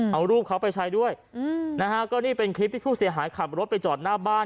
เอารูปเขาไปใช้ด้วยอืมนะฮะก็นี่เป็นคลิปที่ผู้เสียหายขับรถไปจอดหน้าบ้าน